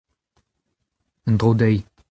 En-dro dezhi.